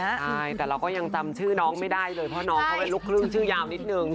ใช่แต่เราก็ยังจำชื่อน้องไม่ได้เลยเพราะน้องเขาเป็นลูกครึ่งชื่อยาวนิดนึง